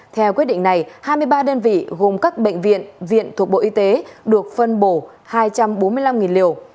theo quyết định này hai mươi ba đơn vị gồm các bệnh viện viện thuộc bộ y tế được phân bổ hai trăm bốn mươi năm liều